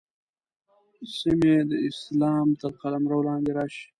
سیمې د اسلام تر قلمرو لاندې راشي.